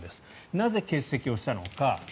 なぜ欠席をしたのか。